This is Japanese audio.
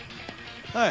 はい。